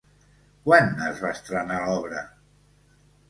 Quan es va estrenar l'obra?